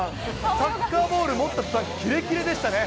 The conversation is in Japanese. サッカーボール持ったら、キレキレでしたね。